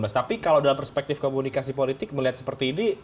tapi kalau dalam perspektif komunikasi politik melihat seperti ini